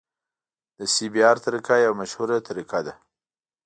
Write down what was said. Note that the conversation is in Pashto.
د سی بي ار طریقه یوه مشهوره طریقه ده